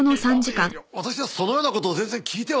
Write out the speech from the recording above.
いやいや私はそのような事を全然聞いては。